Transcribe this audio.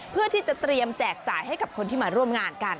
เพื่อที่จะเตรียมแจกจ่ายให้กับคนที่มาร่วมงานกัน